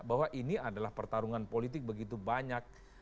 bahwa ini adalah pertarungan politik begitu banyak